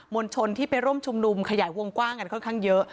ลชนที่ไปร่วมชุมนุมขยายวงกว้างกันค่อนข้างเยอะ